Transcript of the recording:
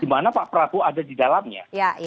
di mana pak prabowo ada di dalamnya